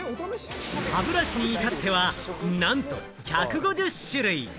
歯ブラシに至ってはなんと１５０種類。